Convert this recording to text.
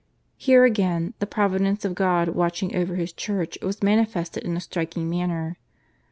Here, again, the providence of God watching over His Church was manifested in a striking manner.